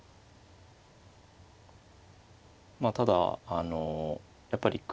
まあただあのやっぱり久保先生